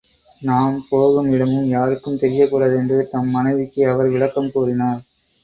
நாம் போகும் இடமும் யாருக்கும் தெரியக்கூடாது என்று தம் மனைவிக்கு அவர் விளக்கம் கூறினார்.